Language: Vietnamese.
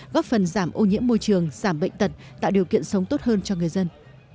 góp phần giảm ô nhiễm môi trường giảm bệnh tật tạo điều kiện sống tốt hơn cho người dân